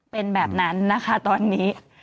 เป็นแบบนั้นนะคะตอนนี้